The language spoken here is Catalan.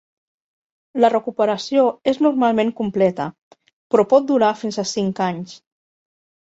La recuperació es normalment completa, però pot durar fins a cinc anys.